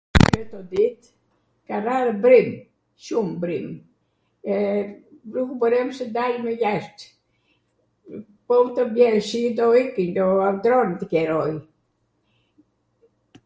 Kwto dit, ka rarw brim, shum brim, nukw boreps tw dalwmw jasht. po te bjer shi, do iki, do ndronet qeroi,